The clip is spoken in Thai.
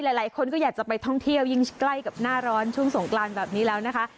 หลายคนก็อยากจะไปท่องเที่ยวยิ่งใกล้กับหน้าร้อนช่วงสงกรานแบบนี้แล้วนะคะ